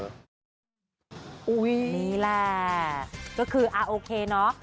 นี่แหละก็คือโอเคเนอะ